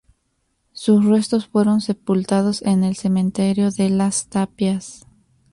Sus restos fueron sepultados en el cementerio de Las Tapias.